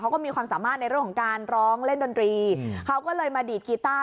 เขาก็มีความสามารถในเรื่องของการร้องเล่นดนตรีเขาก็เลยมาดีดกีต้า